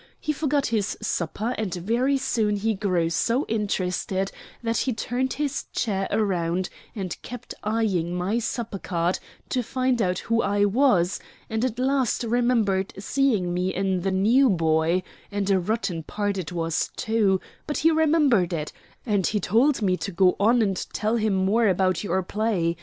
He forgot his supper, and very soon he grew so interested that he turned his chair round and kept eying my supper card to find out who I was, and at last remembered seeing me in 'The New Boy' and a rotten part it was, too but he remembered it, and he told me to go on and tell him more about your play.